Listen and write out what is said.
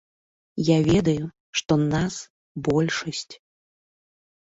Я ведаю, што нас большасць.